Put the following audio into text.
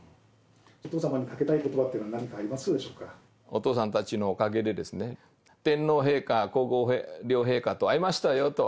お父さまにかけたいことばっていうのは、お父さんたちのおかげで、天皇陛下、皇后両陛下と会えましたよと。